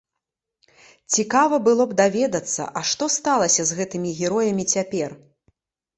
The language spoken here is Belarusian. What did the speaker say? Цікава было б даведацца, а што сталася з гэтымі героямі цяпер?